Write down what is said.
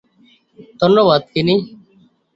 ধন্যবাদ, কেনি।